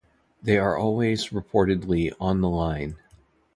They are always reportedly "on the line".